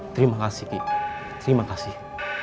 terima kasih ki terima kasih